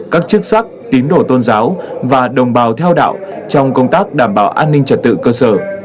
các chức sắc tín đổ tôn giáo và đồng bào theo đạo trong công tác đảm bảo an ninh trật tự cơ sở